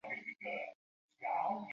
耶路撒冷会是谈判的一环。